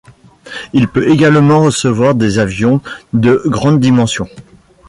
Il peut également recevoir des avions de grandes dimensions.